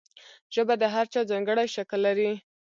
ژبه د هر چا ځانګړی شکل لري.